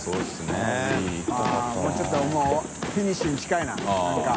發ちょっともうフィニッシュに近いななんか。